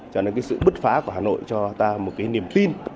cho nên sự bứt phá của hà nội cho ta một niềm tin